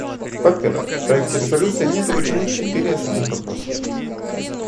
Во-первых, в проекте резолюции не отражены четыре основных вопроса.